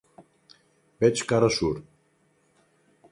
Veig que ara surt.